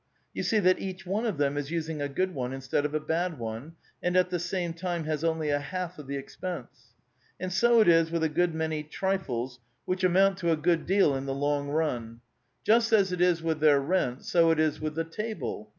You see that each one of them is using a good one instead of a bad one, and at the same time has only a half of the expense. And so it is with a good many trifles which amount to a good 894 A VITAL QUESTION. deal in the long ran. Just as it is with their rent, so it is with the table.